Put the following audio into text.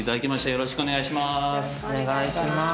よろしくお願いします